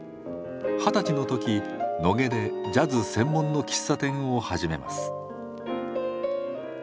二十歳の時野毛でジャズ専門の喫茶店を始めます。